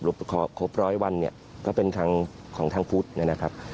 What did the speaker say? หลุบครบครบร้อยวันเนี้ยก็เป็นทางของทางพุทธเนี้ยนะครับ